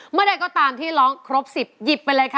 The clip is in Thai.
มาได้ก็ตามที่ร้องครบสิบหยิบไปเลยค่ะ